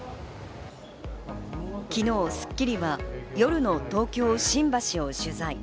昨日『スッキリ』は夜の東京・新橋を取材。